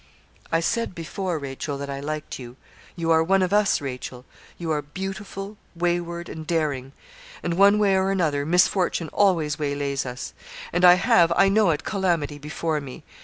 'I said before, Rachel, that I liked you. You are one of us, Rachel. You are beautiful, wayward, and daring, and one way or another, misfortune always waylays us; and I have, I know it, calamity before me.